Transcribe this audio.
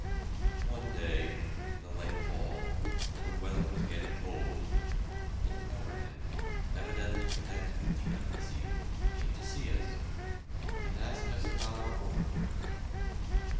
One day, in the late fall, when the weather was getting cold, an American, evidently connected with the Embassy, came to see us, and asked us about our overcoats.